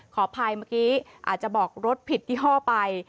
ขออภัยเมื่อกี้อาจจะบอกรถผิดยี่ห้อไป